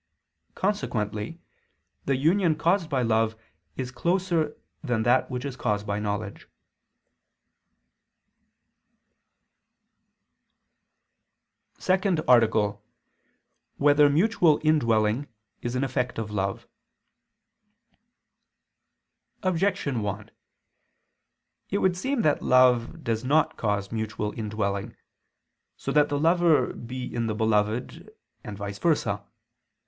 Consequently the union caused by love is closer than that which is caused by knowledge. ________________________ SECOND ARTICLE [I II, Q. 28, Art. 2] Whether Mutual Indwelling Is an Effect of Love? Objection 1: It would seem that love does not cause mutual indwelling, so that the lover be in the beloved and vice versa.